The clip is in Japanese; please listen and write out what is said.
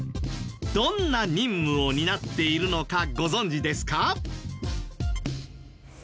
どんな任務を担っているのかご存じですか？